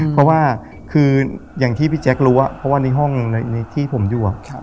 เพราะว่าคืออย่างที่พี่แจ๊ครู้เพราะว่าในห้องที่ผมอยู่